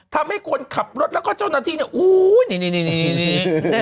ทำให้ควรขับรถแล้วก็เจ้าหน้าที่เนี้ยอู้๋นี่นี่นี่นี้